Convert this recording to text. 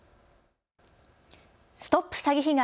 ＳＴＯＰ詐欺被害！